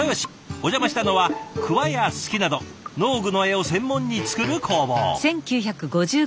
お邪魔したのは鍬や鋤など農具の柄を専門に作る工房。